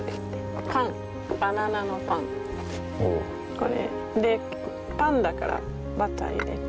これでパンだからバター入れた。